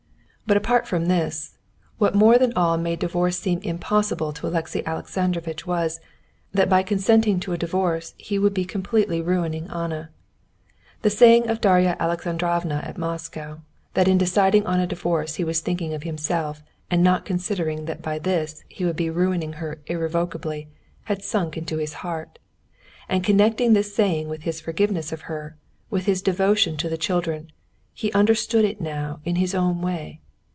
But apart from this, what more than all made divorce seem impossible to Alexey Alexandrovitch was, that by consenting to a divorce he would be completely ruining Anna. The saying of Darya Alexandrovna at Moscow, that in deciding on a divorce he was thinking of himself, and not considering that by this he would be ruining her irrevocably, had sunk into his heart. And connecting this saying with his forgiveness of her, with his devotion to the children, he understood it now in his own way.